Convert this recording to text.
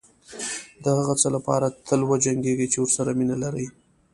دهغه څه لپاره تل وجنګېږئ چې ورسره مینه لرئ.